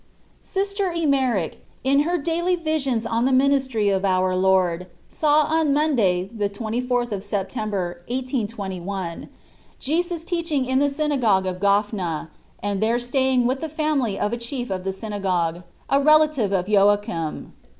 SISTER EMMERICH, in her daily visions on the ministry of Our Lord, saw on Monday the 24th of September, 1821, Jesus teach ing in the synagogue of Gophna, and there staying with the family of a chief of the synagogue, a relative of Joachim.